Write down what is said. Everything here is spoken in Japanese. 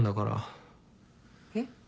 えっ？